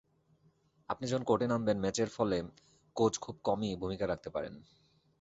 আপনি যখন কোর্টে নামবেন ম্যাচের ফলে কোচ খুব কমই ভূমিকা রাখতে পারেন।